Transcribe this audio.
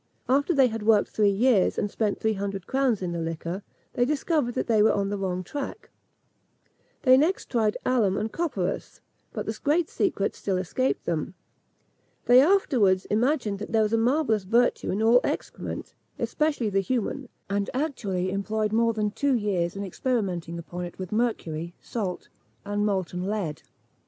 After they had worked three years, and spent three hundred crowns in the liquor, they discovered that they were on the wrong track. They next tried alum and copperas; but the great secret still escaped them. They afterwards imagined that there was a marvellous virtue in all excrement, especially the human, and actually employed more than two years in experimentalising upon it with mercury, salt, and molten lead!